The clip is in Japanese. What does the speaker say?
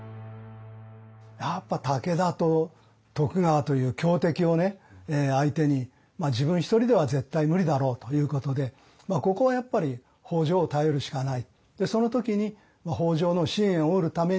やっぱ武田と徳川という強敵を相手に自分一人では絶対無理だろうということでここはやっぱり北条を頼るしかない。